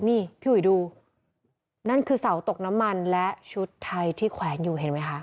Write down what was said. นี่พี่หุยดู